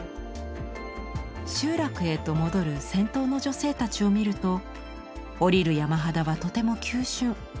集落へと戻る先頭の女性たちを見ると下りる山肌はとても急しゅん。